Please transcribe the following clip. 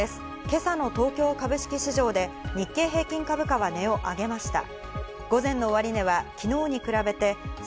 今朝の東京株式市場で日経平均株価は値を上げました。